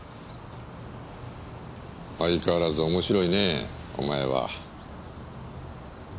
相変わらず面白いねお前は。